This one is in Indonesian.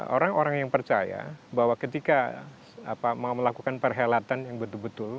orang orang yang percaya bahwa ketika melakukan perhelatan yang betul betul